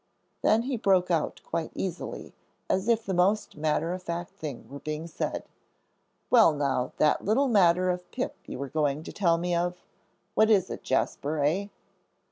Then he broke out quite easily, as if the most matter of fact thing were being said, "Well, now, that little matter of Pip you were going to tell me of. What is it, Jasper, eh?"